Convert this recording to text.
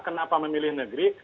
kenapa memilih negeri